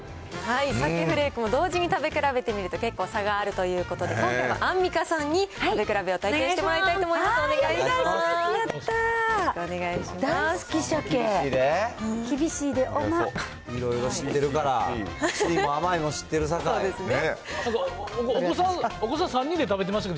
鮭フレークを同時に食べ比べてみると、結構差があるということで、今回はアンミカさんに食べ比べを体験してもらいたいと思います。